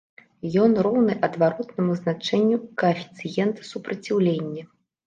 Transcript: Ён роўны адваротнаму значэнню каэфіцыента супраціўлення.